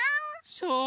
そう。